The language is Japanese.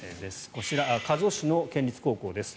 こちら、加須市の県立高校です。